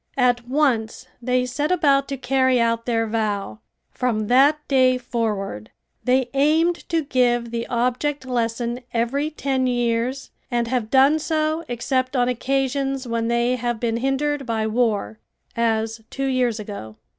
At once they set about to carry out their vow. From that day forward they aimed to give the object lesson every ten years and have done so except on occasions when they have been hindered by war, as two years ago.